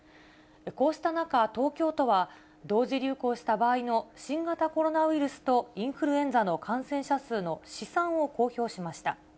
こうした中、東京都は、同時流行した場合の新型コロナウイルスとインフルエンザの感染者数の試算を公表しました。